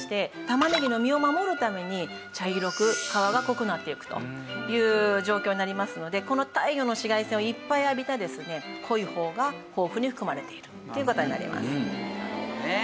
玉ねぎの実を守るために茶色く皮が濃くなっていくという状況になりますので太陽の紫外線をいっぱい浴びた濃い方が豊富に含まれているという事になります。